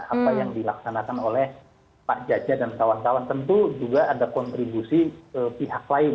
apa yang dilaksanakan oleh pak jaja dan kawan kawan tentu juga ada kontribusi pihak lain